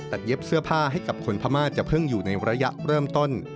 เย็บเสื้อผ้าให้กับคนพม่าจะเพิ่งอยู่ในระยะเริ่มต้น